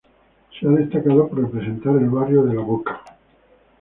Se ha destacado por representar el barrio de La Boca.